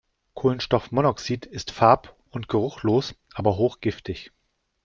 Kohlenstoffmonoxid ist farb- und geruchlos, aber hochgiftig.